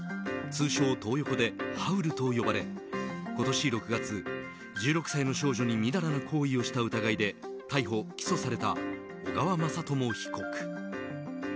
通称トー横で、ハウルと呼ばれ今年６月、１６歳の少女にみだらな行為をした疑いで逮捕・起訴された小川雅朝被告。